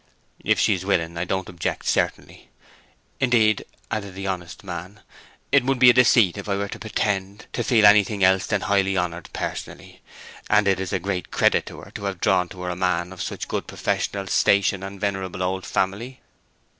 "If she is willing I don't object, certainly. Indeed," added the honest man, "it would be deceit if I were to pretend to feel anything else than highly honored personally; and it is a great credit to her to have drawn to her a man of such good professional station and venerable old family.